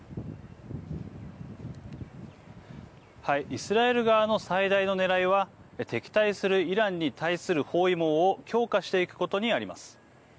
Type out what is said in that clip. イスラエル側の最大のねらいは敵対するイランに対する包囲網を強化していくことにあります。